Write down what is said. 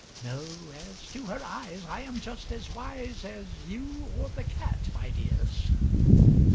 No! as to her eyes I am just as wise As you or the cat, my dears.